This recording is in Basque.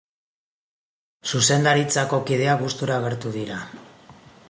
Zuzendaritzako kideak gustura agertu dira.